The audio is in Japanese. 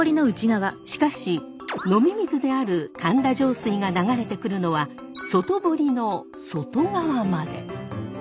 しかし飲み水である神田上水が流れてくるのは外堀の外側まで。